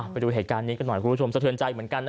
ไปดูเหตุการณ์นี้กันหน่อยคุณผู้ชมสะเทือนใจเหมือนกัน